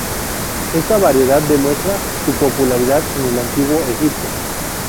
Esta variedad demuestra su popularidad en el Antiguo Egipto.